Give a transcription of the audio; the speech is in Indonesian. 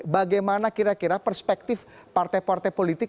bagaimana kira kira perspektif partai partai politik